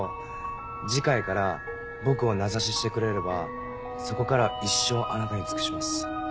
次回から僕を名指ししてくれればそこから一生あなたに尽くします。